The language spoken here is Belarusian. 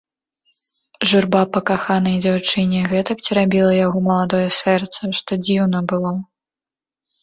Журба па каханай дзяўчыне гэтак церабіла яго маладое сэрца, што дзіўна было.